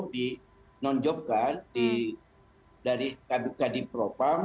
di nonjokkan dari kadif propam